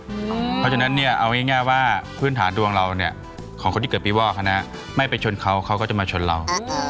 เพราะฉะนั้นเนี่ยเอาง่ายว่าพื้นฐานดวงเราเนี่ยของคนที่เกิดปีวอกคณะไม่ไปชนเขาเขาก็จะมาชนเรา